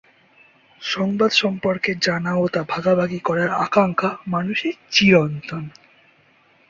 সংবাদ সম্পর্কে জানা ও তা ভাগাভাগি করার আকাঙ্ক্ষা মানুষের চিরন্তন।